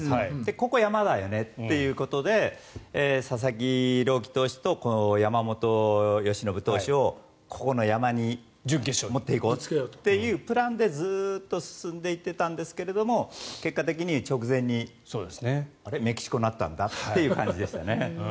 ここが山だよねということで佐々木朗希投手と山本由伸投手をここの山に持っていこうというプランでずっと進んでいってたんですけど結果的に直前にあれ、メキシコになったんだっていう感じでしたね。